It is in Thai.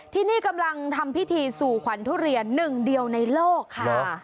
ที่นี่กำลังทำพิธีสู่ขวัญทุเรียนหนึ่งเดียวในโลกค่ะ